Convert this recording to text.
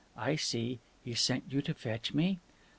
"I see! He sent you to fetch me?"